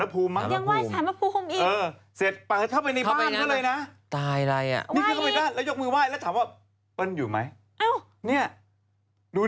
ไม่รู้เงี่ยวไขว้ไขว้สานพระภูมิหรือก่อน